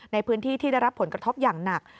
ในพื้นที่ที่ได้รับผลกระทบอย่างหนัก